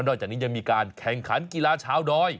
แล้วนอกจากนี้จะมีการแข่งขันกีฬาชาวดอย